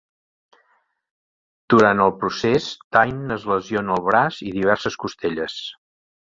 Durant el procés, Dain es lesiona el braç i diverses costelles.